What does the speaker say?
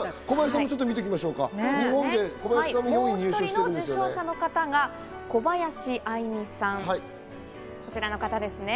もう１人の受賞者の方が小林愛実さん、こちらの方です。